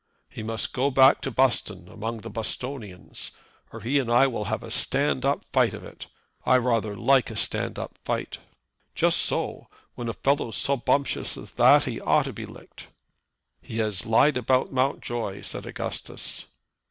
"He must go back to Buston, among the Bustonians, or he and I will have a stand up fight of it. I rather like a stand up fight." "Just so. When a fellow's so bumptious as that he ought to be licked." "He has lied about Mountjoy," said Augustus.